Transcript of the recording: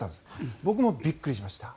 僕もびっくりしました。